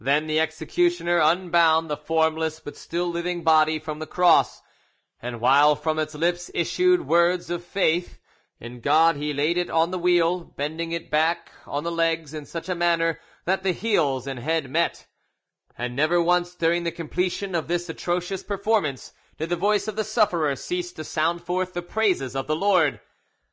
Then the executioner unbound the formless but still living body from the cross, and while from its lips issued words of faith in God he laid it on the wheel, bending it back on the legs in such a manner that the heels and head met; and never once during the completion of this atrocious performance did the voice of the sufferer cease to sound forth the praises of the Lord.